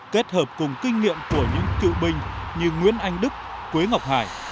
kết hợp cùng kinh nghiệm của những cựu binh như nguyễn anh đức quế ngọc hải